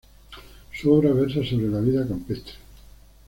Su obra versa sobre la vida campestre.